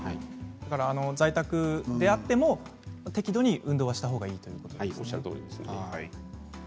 在宅であっても適度に運動はしたほうがいいということですね。